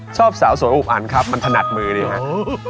ชอบสาวสวยอวกอันครับมันถนัดมือดีครับ